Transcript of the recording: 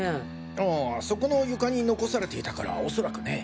ああそこの床に残されていたからおそらくね。